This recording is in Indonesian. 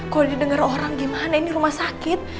kalau didengar orang gimana ini rumah sakit